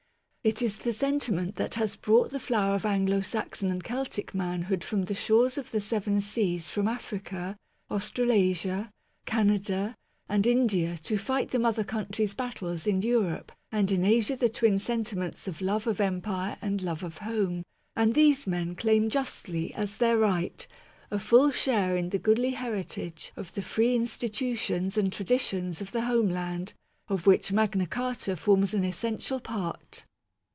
It is sentiment that has brought the flower of Anglo Saxon and Celtic manhood from the shores ' of the seven seas from Africa, Australasia, Canada, and India to fight the mother country's battles in Europe and in Asia the twin sentiments of love of Empire and love of home ; and these men MAGNA CARTA (1215 1915) 21 claim justly, as their right, a full share in the goodly heritage of the free institutions and traditions of the homeland, of which Magna Carta forms an essential part.